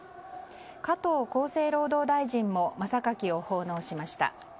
加藤厚生労働大臣も真榊を奉納しました。